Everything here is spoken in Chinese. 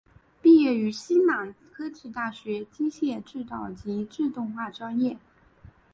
毕业于西南科技大学机械制造及自动化专业。